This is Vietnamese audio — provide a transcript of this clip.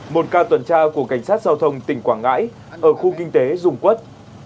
một cao tuần tra của cảnh sát giao thông tỉnh quảng ngãi ở khu kinh tế dung quất